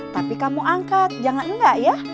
tapi kamu angkat jangan enggak ya